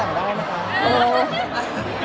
เราต้องให้เขาถามแล้วไปตอบ